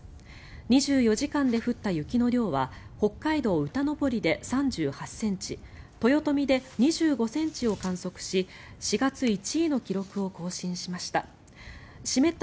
２４時間で降った雪の量は北海道歌登で３８ｃｍ豊富で２５ｃｍを観測し４月１位の記録を更新しました。